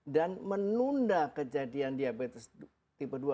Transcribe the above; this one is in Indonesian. dan menunda kejadian diabetes tipe dua